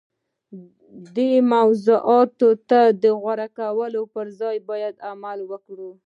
دې موضوعاتو ته د غور کولو پر ځای باید عمل وکړو.